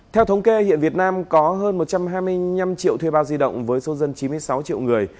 theo thống kê hiện việt nam có hơn một trăm hai mươi năm triệu thuê bao di động với số dân chín mươi sáu triệu người